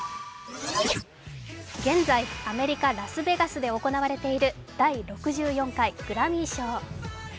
現在、アメリカ・ラスベガスで行われている第６４回グラミー賞。